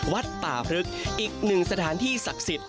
วัดป่าพลึกอีกหนึ่งสถานที่ศักดิ์สิทธิ์